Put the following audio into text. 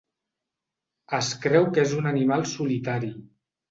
Es creu que és un animal solitari.